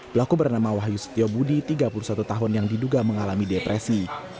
pelaku bernama wahyu setio budi tiga puluh satu tahun yang diduga mengalami depresi